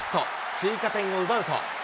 追加点を奪うと。